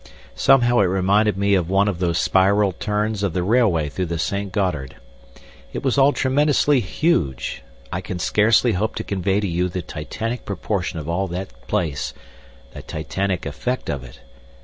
Somehow it reminded me then of one of those spiral turns of the railway through the Saint Gothard. It was all tremendously huge. I can scarcely hope to convey to you the Titanic proportion of all that place, the Titanic effect of it.